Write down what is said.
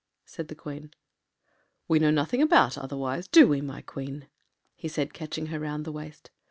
” said the Queen. “We know nothing about otherwise, do we, my Queen?” he said, catching her round the waist.